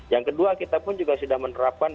yang kedua kita pun juga sudah menerapkan